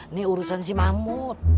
ini urusan si mamut